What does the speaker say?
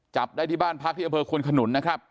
จับได้ที่บ้านพักที่อำเภอควนขนุนนะครับ